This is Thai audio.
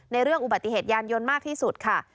เรื่องอุบัติเหตุยานยนต์มากที่สุดค่ะ